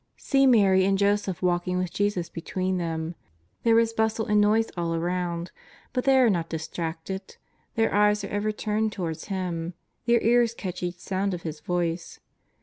See Mary and Joseph walking with Jesus between them. There is bustle and noise all around, but they are not distracted; their eyes are ever turned towards Him; their ears catch each sound of His voice.